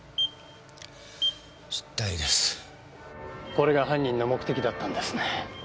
これが犯人の目的だったんですね。